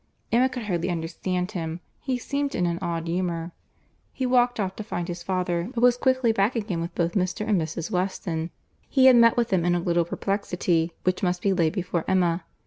Emma could hardly understand him; he seemed in an odd humour. He walked off to find his father, but was quickly back again with both Mr. and Mrs. Weston. He had met with them in a little perplexity, which must be laid before Emma.